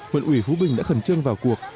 huyện ủy phú bình đã khẩn trương vào cuộc